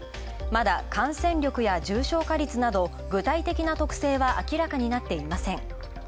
まだ、感染力や重症化率など具体的な特性は明らかになっていません。